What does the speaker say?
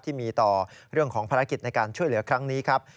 ที่มีต่อเรื่องของภารกิจในการช่วยเหลือครั้งนี้ครับ